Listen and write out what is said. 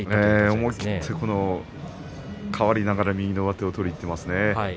思い切って変わりながら右の上手を取りにいってますよね。